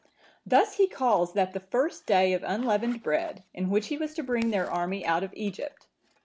"Thus he calls that the first day of unleavened bread, in which he was to bring their army out of Egypt.